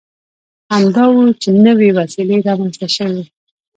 همدا و چې نوې وسیلې رامنځته شوې.